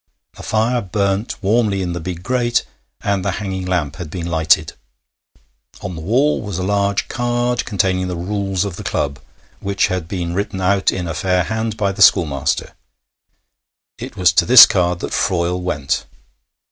A fire burnt warmly in the big grate, and the hanging lamp had been lighted. On the wall was a large card containing the rules of the club, which had been written out in a fair hand by the schoolmaster. It was to this card that Froyle went.